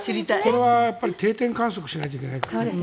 これは定点観測しないといけない。